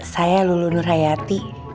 saya lulu nur hayati